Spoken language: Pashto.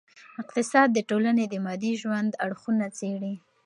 اقتصاد د ټولني د مادي ژوند اړخونه څېړي.